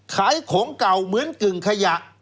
ขายของเก่าเหมือนกึ่งขยะ